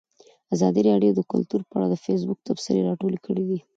ازادي راډیو د کلتور په اړه د فیسبوک تبصرې راټولې کړي.